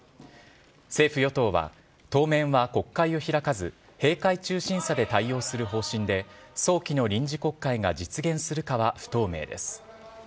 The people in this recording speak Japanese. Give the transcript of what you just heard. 政府与党は当面は国会は開かず閉会中審査で対応する方針で早期の臨時国会が実現するかは不透明です。